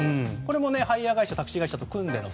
ハイヤー会社タクシー会社と組んでの